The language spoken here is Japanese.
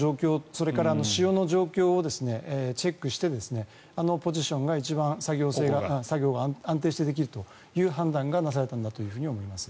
それから潮の状況をチェックしてポジションが一番作業が安定してできるという判断がなされたんだと思います。